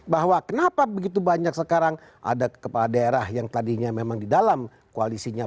bahwa kenapa begitu banyak sekarang ada kepala daerah yang tadinya memang di dalam koalisinya